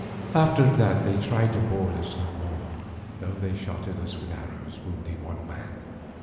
"After that they tried to board us no more, though they shot at us with arrows, wounding one man.